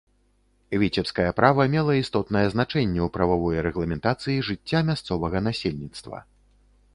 Віцебскае права мела істотнае значэнне ў прававой рэгламентацыі жыцця мясцовага насельніцтва.